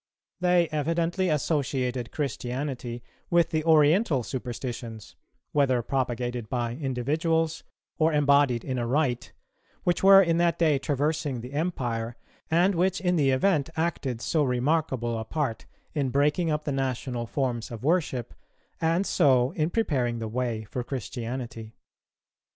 They evidently associated Christianity with the oriental superstitions, whether propagated by individuals or embodied in a rite, which were in that day traversing the Empire, and which in the event acted so remarkable a part in breaking up the national forms of worship, and so in preparing the way for Christianity.